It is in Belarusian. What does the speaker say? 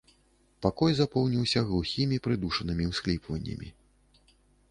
Пакой запоўніўся глухімі прыдушанымі ўсхліпваннямі.